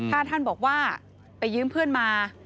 ถ้าท่านบอกว่าไปยืมเพื่อนมา